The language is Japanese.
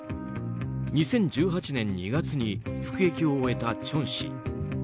２０１８年２月に服役を終えたチョン氏。